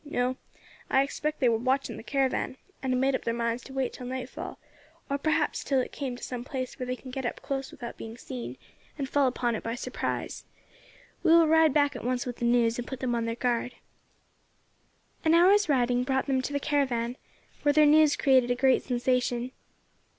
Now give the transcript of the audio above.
No, I expect they were watching the caravan, and had made up their minds to wait till nightfall, or perhaps till it came to some place where they can get up close without being seen, and fall upon it by surprise. We will ride back at once with the news, and put them on their guard." An hour's riding brought them to the caravan, where their news created a great sensation.